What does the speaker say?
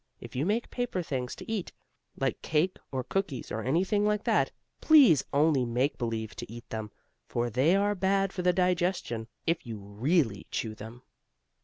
If you make paper things to eat, like cake or cookies or anything like that, please only make believe to eat them, for they are bad for the digestion if you really chew them.